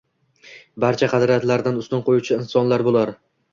Barcha qadriyatlardan ustun qoʻyuvchi insonlar bular.